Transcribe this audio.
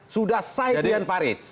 sudah sahit dian farid